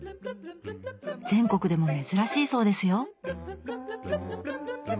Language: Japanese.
全国でも珍しいそうですよ